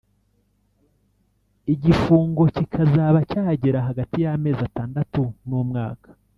Igifungo kikazaba cyagera hagati y’amezi atandatu n’umwaka